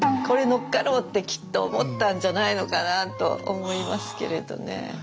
「これのっかろう」ってきっと思ったんじゃないのかなと思いますけれどね。